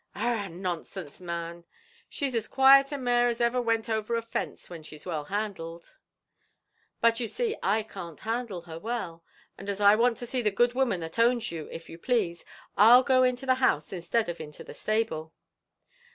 "Arrah, nonsense, man! she's as quiet a mare as ever went over a fence, when she's well handled." "But you see I can't handle her well; and as I want to see the good woman that owns you, if you please, I'll go into the house instead of into the stable."